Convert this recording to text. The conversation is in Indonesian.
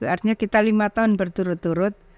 artinya kita lima tahun berturut turut